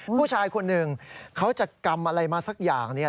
ผู้ชายคนหนึ่งเขาจะกำอะไรมาสักอย่าง